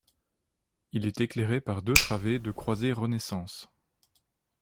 Il est éclairé par deux travées de croisées renaissance.